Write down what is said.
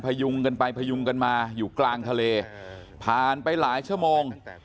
พยุงกันไปพยุงกันมาอยู่กลางทะเลผ่านไปหลายชั่วโมง